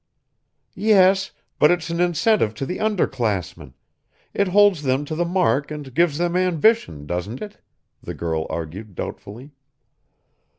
"Yes, but it's an incentive to the under classmen it holds them to the mark and gives them ambition, doesn't it?" the girl argued doubtfully.